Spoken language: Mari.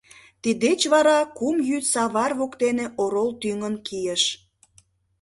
Тиддеч вара кум йӱд савар воктене орол тӱҥын кийыш.